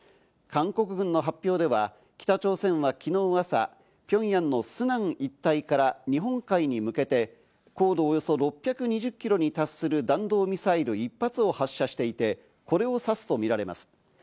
韓国軍の発表では、北朝鮮は昨日朝、ピョンヤンのスナン一帯から日本海に向けて高度およそ６２０キロに達する弾道ミサイル１発を発射していて、これを指すとみられます。